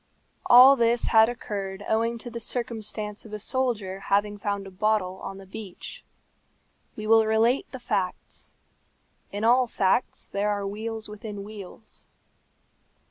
All this had occurred owing to the circumstance of a soldier having found a bottle on the beach. We will relate the facts. In all facts there are wheels within wheels.